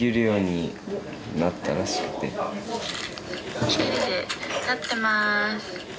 「一人で立ってます。